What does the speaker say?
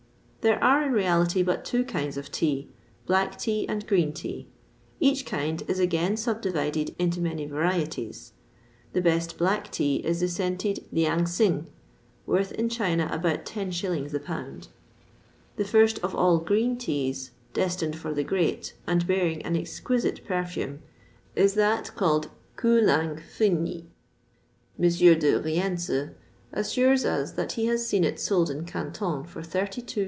There are, in reality, but two kinds of tea, black tea and green tea; each kind is again subdivided into many varieties. The best black tea is the scented Liang sing, worth in China about 10_s._ the pound. The first of all green teas, destined for the great, and bearing an exquisite perfume, is that called Koo lang fyn i. M. de Rienzi assures us that he has seen it sold in Canton for 32s.